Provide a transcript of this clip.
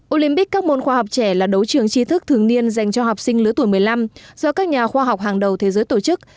olympic các môn khoa học trẻ là đấu trường chi thức thường niên dành cho học sinh lứa tuổi một mươi năm do các nhà khoa học hàng đầu thế giới tổ chức